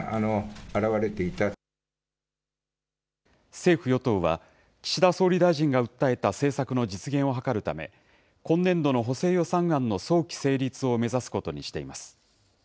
政府・与党は、岸田総理大臣が訴えた政策の実現を図るため、今年度の補正予算案の早期成立を目指すことにしています。